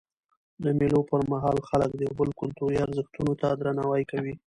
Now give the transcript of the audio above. د مېلو پر مهال خلک د یو بل کلتوري ارزښتو ته درناوی کوي.